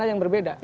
ada yang berbeda